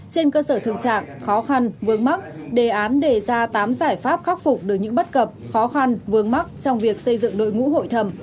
trên cơ sở thực trạng khó khăn vương mắc đề án đề ra tám giải pháp khắc phục được những bất cập khó khăn vương mắc trong việc xây dựng đội ngũ hội thẩm